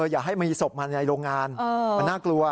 อย่าให้มีศพมาในโรงงานมันน่ากลัว